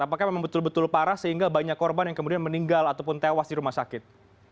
apakah memang betul betul parah sehingga banyak korban yang kemudian meninggal ataupun tewas di rumah sakit